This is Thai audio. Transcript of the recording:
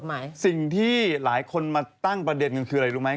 สิ่งที่หลายคนมาตั้งประเด็นกันคืออะไรรู้ไหม